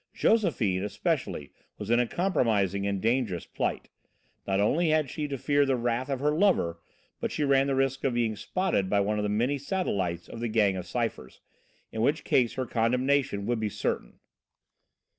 Josephine, especially, was in a compromising and dangerous plight. Not only had she to fear the wrath of her lover, but she ran the risk of being "spotted" by one of the many satellites of the gang of Cyphers, in which case her condemnation would be certain.